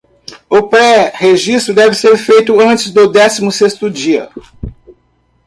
O pré-registro deve ser feito antes do décimo sexto dia.